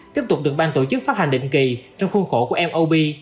tiếp tục được ban tổ chức phát hành định kỳ trong khuôn khổ của mob